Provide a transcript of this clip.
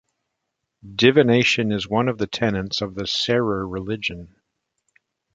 Divination is one of the tenets of Serer religion.